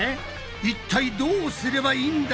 いったいどうすればいいんだ？